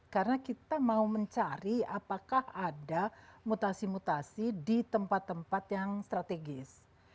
karena kita mau mencari apakah ada mutasi mutasi di tempat tempat yang strategis